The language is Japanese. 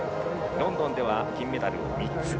ロンドンでは金メダル３つ。